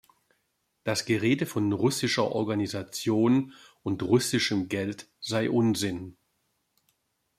Das Gerede von russischer Organisation und russischem Geld sei Unsinn.